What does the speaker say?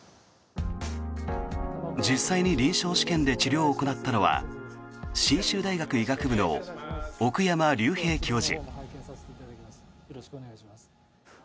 実際に臨床試験で治療を行ったのは信州大学医学部の奥山隆平教授。